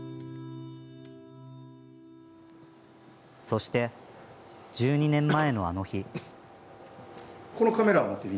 そして、１２年前のあの日。